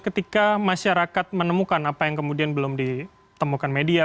ketika masyarakat menemukan apa yang kemudian belum ditemukan media